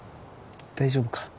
大丈夫か？